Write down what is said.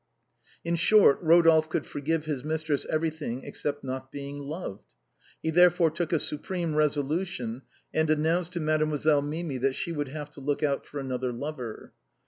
In short, Ro dolphe could forgive his mistress everything except not being loved. He therefore took a supreme resolution, and announced to Mademoiselle Mimi that she would have to look out for another lover.